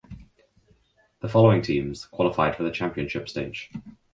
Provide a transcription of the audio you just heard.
The following teams qualified for the championship stage.